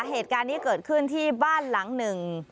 เหตุการณ์นี้เกิดขึ้นที่บ้านหลังหนึ่ง